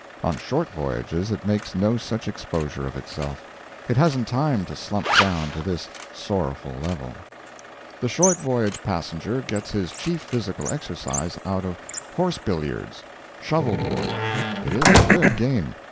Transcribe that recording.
On short voyages it makes no such exposure of itself; it hasn't time to slump down to this sorrowful level. The short voyage passenger gets his chief physical exercise out of "horse billiards" shovel board. It is a good game.